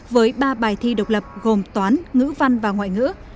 với ba bài thi độc lập gồm toán ngữ văn và ngoại ngữ